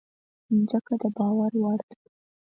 مځکه د باور وړ ده.